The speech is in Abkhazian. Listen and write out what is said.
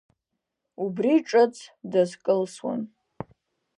Убри ҿыц дазкылсуан.